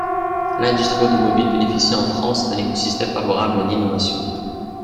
L’industrie automobile bénéficie en France d’un écosystème favorable à l’innovation.